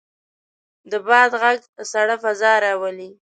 د باد غږ سړه فضا راولي.